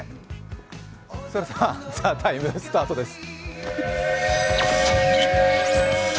それでは「ＴＨＥＴＩＭＥ，」スタートです。